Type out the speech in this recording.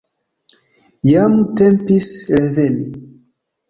Jam tempis reveni.